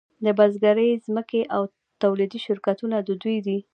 د بزګرۍ ځمکې او تولیدي شرکتونه د دوی دي